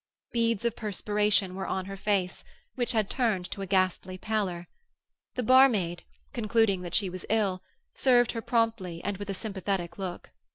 Beads of perspiration were on her face, which had turned to a ghastly pallor. The barmaid, concluding that she was ill, served her promptly and with a sympathetic look.